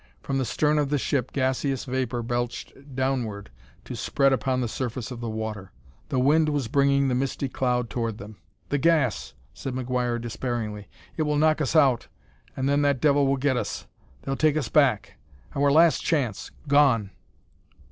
From the stern of the ship gaseous vapor belched downward to spread upon the surface of the water. The wind was bringing the misty cloud toward them. "The gas!" said McGuire despairingly. "It will knock us out, and then that devil will get us! They'll take us back! Our last chance gone!"